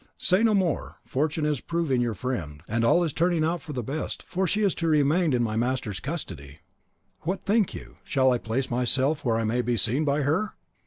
"Say no more; fortune is proving your friend, and all is turning out for the best, for she is to remain in my master's custody." "What think you? Shall I place myself where I may be seen by her?"